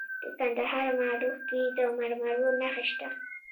د کندهار په معروف کې د مرمرو نښې شته.